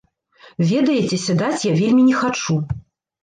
Ведаеце, сядаць я вельмі не хачу.